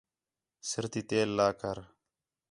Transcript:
سِر تی تیل لا کر